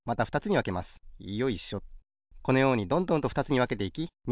このようにどんどんとふたつにわけていき２